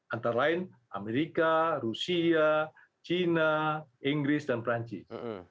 antara lain amerika rusia china inggris dan perancis